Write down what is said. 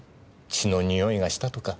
血の匂いがしたとか。